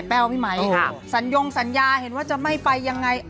พี่ไม้สัญญงสัญญาเห็นจะไม่ไปยังไง